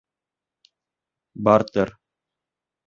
Бартер.